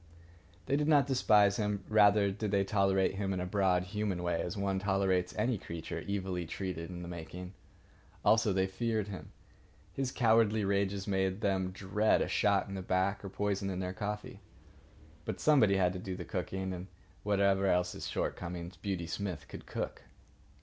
They did not despise him. Rather did they tolerate him in a broad human way, as one tolerates any creature evilly treated in the making. Also, they feared him. His cowardly rages made them dread a shot in the back or poison in their coffee. But somebody had to do the cooking, and whatever else his shortcomings, Beauty Smith could cook.